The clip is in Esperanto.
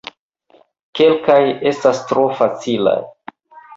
Kelkaj estas tro facilaj.